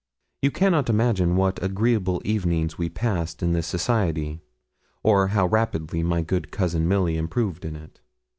You cannot imagine what agreeable evenings we passed in this society, or how rapidly my good Cousin Milly improved in it.